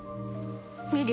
見る？